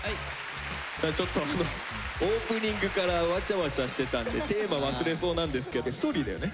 ちょっとオープニングからワチャワチャしてたんでテーマ忘れそうなんですけど「ＳＴＯＲＹ」だよね？